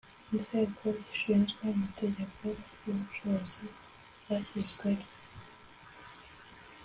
Inzego zishinzwe amategeko y’ubucuruzi zashyizweho.